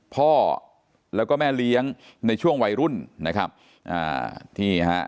พ่อแล้วก็แม่เลี้ยงในช่วงวัยรุ่นนะครับอ่านี่ฮะ